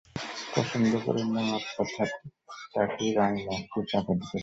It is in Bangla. পছন্দ করে নেওয়ার কথাটাকেই রঙ মাখিয়ে চাপা দিতে চায়।